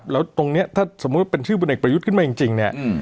แล้วตรงนี้ถ้าสมมติเป็นชื่อเป็นอเอกประยุทธ์ขึ้นมาจริง